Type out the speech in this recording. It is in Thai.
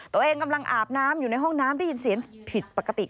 ตัวเองกำลังอาบน้ำอยู่ในห้องน้ำได้ยินเสียงผิดปกติ